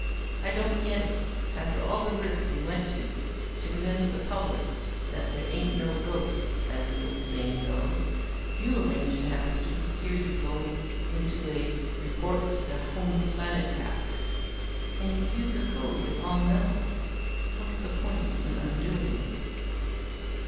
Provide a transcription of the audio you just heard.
"I don't get it. After all the risk we went to, to convince the public that there ain't no ghosts as the old saying goes you arrange to have students hear you going into a 'report to the home planet' act. And you use a code they all know. What's the point in undoing it?"